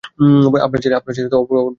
আপনার ছেলে অভদ্রতামো করছে।